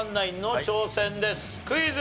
クイズ。